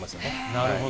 なるほど。